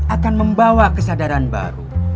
akan membawa kesadaran baru